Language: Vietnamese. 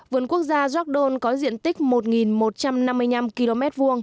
vườn quốc gia york don có diện tích một một trăm năm mươi năm km hai